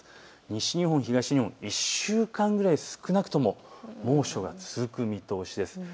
西日本、東日本、１週間くらいは少なくとも猛暑が続く見通しです。